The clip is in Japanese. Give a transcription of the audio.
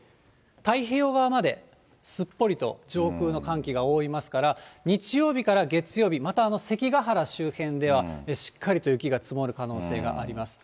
太平洋側まですっぽりと上空の寒気が覆いますから、日曜日から月曜日、また関ヶ原周辺ではしっかりと雪が積もる可能性があります。